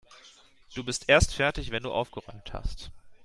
Du bist erst fertig, wenn du aufgeräumt hast.